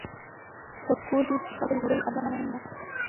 په کور کې پخه شوې ډوډۍ ارزانه هم ده.